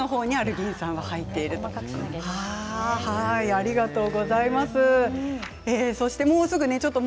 ありがとうございます。